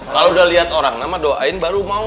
kalau udah lihat orang nama doain baru mau